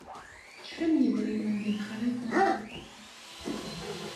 Kfan yedrimen deg texṛiṭ-iw.